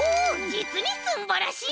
じつにすんばらしい。